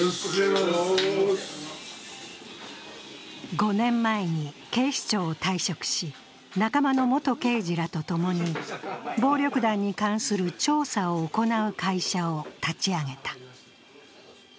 ５年前に警視庁を退職し仲間の元刑事らとともに暴力団に関する調査を行う会社を立ち上げた。